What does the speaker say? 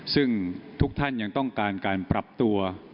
ซึ่งทุกท่านยังต้องการการปรับตัว